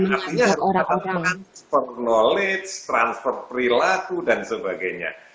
artinya transfer knowledge transfer perilaku dan sebagainya